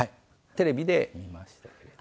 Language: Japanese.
テレビで見ましたけれど。